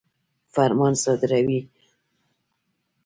فرمان صادروي.